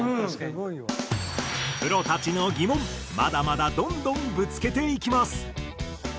プロたちの疑問まだまだどんどんぶつけていきます。